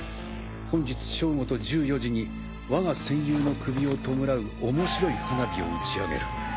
本日正午と１４時に我が戦友の首を弔う面白い花火を打ち上げる。